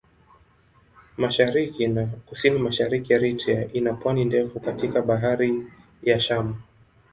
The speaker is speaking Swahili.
Mashariki na Kusini-Mashariki Eritrea ina pwani ndefu katika Bahari ya Shamu.